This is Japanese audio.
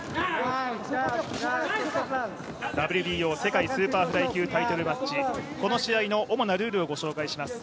ＷＢＯ世界スーパーフライ級タイトルマッチこの試合の主なルールを御紹介します。